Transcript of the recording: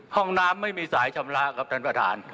ห้องน้ำไม่มีสายชำระครับท่านประธาน